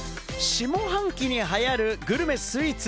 下半期に入るグルメスイーツ。